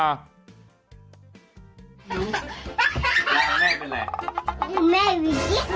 แม่วิกิ๊กแม่วิกิ๊ก